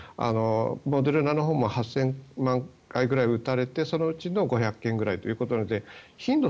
モデルナのほうも８０００万回ぐらい打たれてそのうちの５００件ぐらいということなので頻度